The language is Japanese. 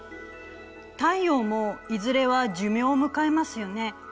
太陽もいずれは寿命を迎えますよね。